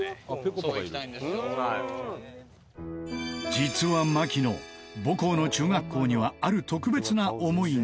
実は槙野母校の中学校にはある特別な思いが